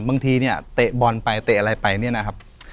บางทีเนี่ยเตะบอลไปเตะอะไรไปเนี่ยนะครับ